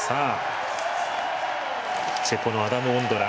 チェコのアダム・オンドラ。